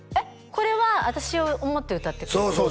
これは私を思って歌ってくれてるってこと？